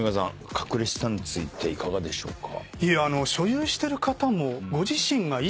かくれ資産についていかがでしょうか？